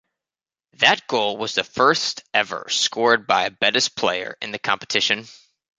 That goal was the first ever scored by a Betis player in the competition.